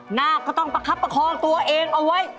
หน้าก็ต้องประคับประคองตัวเองเอาไว้